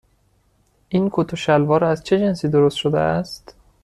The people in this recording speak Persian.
این کت و شلوار از چه جنسی درست شده است؟